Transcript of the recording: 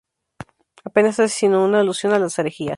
Apenas hace sino una alusión a las herejías.